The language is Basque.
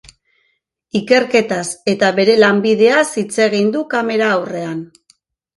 Ikerketaz eta bere lanbideaz hitz egin du kamera aurrean.